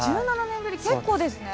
１７年ぶり結構ですね。